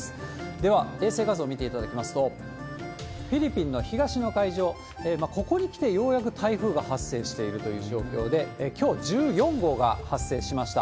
では、衛星画像見ていただきますと、フィリピンの東の海上、ここにきてようやく台風が発生しているという状況で、きょう１４号が発生しました。